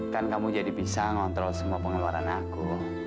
kan kamu jadi bisa ngontrol semua pengeluaran aku